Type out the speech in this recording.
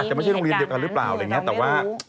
อาจจะไม่ใช่โรงเรียนเดียวกันหรือเปล่าแต่ว่า